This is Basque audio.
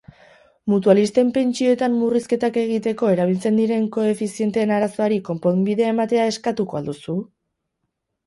Mutualisten pentsioetan murrizketak egiteko erabiltzen diren koefizienteen arazoari konponbidea ematea eskatuko al duzu?